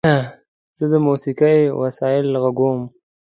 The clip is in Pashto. زه د موسیقۍ وسایل غږوم.